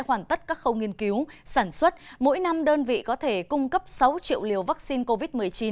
trong tất cả các khâu nghiên cứu sản xuất mỗi năm đơn vị có thể cung cấp sáu triệu liều vắc xin covid một mươi chín